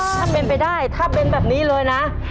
ถ้าเป็นไปได้ถ้าเป็นแบบนี้เลยนะ